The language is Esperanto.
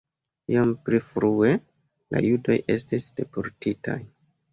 Iom pli frue la judoj estis deportitaj.